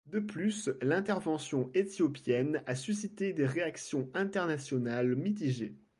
De plus, l'intervention éthiopienne a suscité des réactions internationales mitigées.